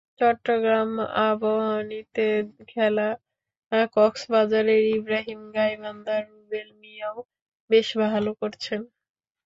চট্টগ্রাম আবাহনীতে খেলা কক্সবাজারের ইব্রাহিম, গাইবান্ধার রুবেল মিয়াও বেশ ভালো করছেন।